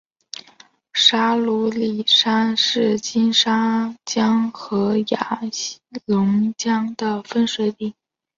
沙鲁里山是金沙江与雅砻江的分水岭。